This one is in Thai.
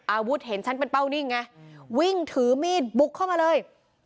เห็นฉันเป็นเป้านิ่งไงวิ่งถือมีดบุกเข้ามาเลย